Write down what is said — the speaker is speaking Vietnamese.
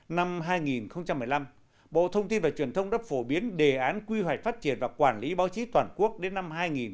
năm hai nghìn một mươi năm bộ thông tin và truyền thông đã phổ biến đề án quy hoạch phát triển và quản lý báo chí toàn quốc đến năm hai nghìn hai mươi